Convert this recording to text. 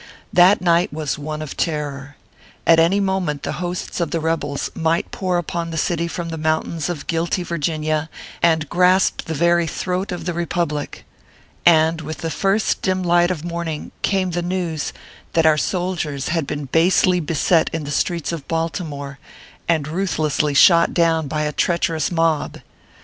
That night was one of terror : at any moment the hosts of the rebels might pour upon the city from the mountains of guilty Virginia, and grasp the very throat of the Republic. And with 34 ORPHEUS C. KERR PAPERS. the first dim light of morning came the news that our soldiers bad been basely beset in the streets of Baltimore, and ruthlessly shot down by a treacherous mob